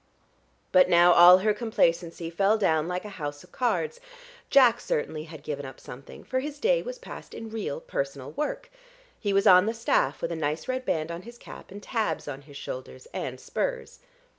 But now all her complacency fell down like a house of cards. Jack certainly had given up something, for his day was passed in real personal work.... He was on the staff with a nice red band on his cap, and tabs on his shoulders and spurs.